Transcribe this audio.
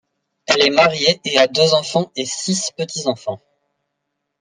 Elle est mariée et a deux enfants et six petits-enfants.